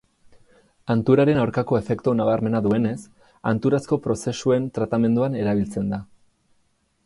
Hanturaren aurkako efektu nabarmena duenez, hanturazko prozesuen tratamenduan erabiltzen da.